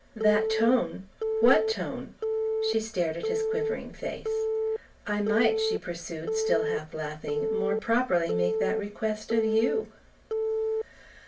"That tone? What tone?" She stared at his quivering face. "I might," she pursued, still half laughing, "more properly make that request of YOU!"